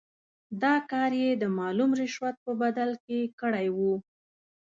دا کار یې د معلوم رشوت په بدل کې کړی وو.